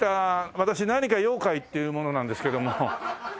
私「何か用かい？」っていう者なんですけども。